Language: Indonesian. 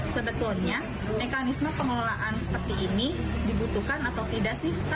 sebetulnya mekanisme pengelolaan seperti ini dibutuhkan atau tidak sih